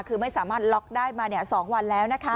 คือไม่สามารถล็อกได้มา๒วันแล้วนะคะ